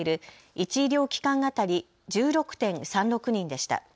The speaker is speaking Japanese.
１医療機関当たり１６．３６人でした。